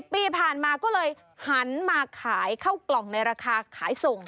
ปีผ่านมาก็เลยหันมาขายเข้ากล่องในราคาขายส่ง